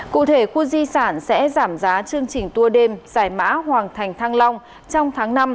cụ thể khu di sản sẽ giảm giá chương trình tour đêm giải mã hoàng thành thăng long trong tháng năm